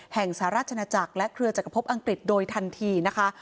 สหราชนาจักรและเครือจักรพบอังกฤษโดยทันทีนะคะ